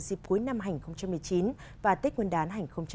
dịp cuối năm hai nghìn một mươi chín và tết nguyên đán hai nghìn hai mươi